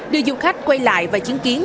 đưa du khách quay lại và chứng kiến